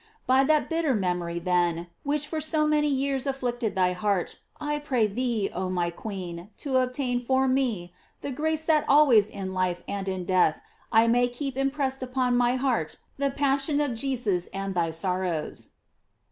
By that bitter mem ory, then, which for so many years afflicted thy heart, I pray thee, oh my queen, to obtain for me the grace that always in life and in death I may keep impressed upon my heart the passion of Jesus and thy sorrows.